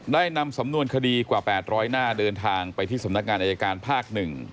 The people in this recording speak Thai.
นำสำนวนคดีกว่า๘๐๐หน้าเดินทางไปที่สำนักงานอายการภาค๑